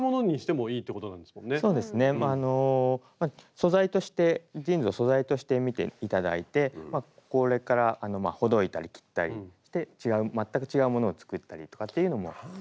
素材としてジーンズを素材として見て頂いてこれからほどいたり切ったりして全く違うものを作ったりとかっていうのもはい。